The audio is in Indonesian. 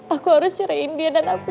aku harus ceraiin dia dan aku